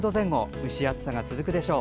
蒸し暑さが続くでしょう。